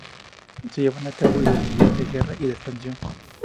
Se llevan a cabo ideologías de guerra y de expansión.